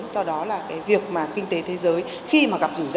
đây là con số khá thấp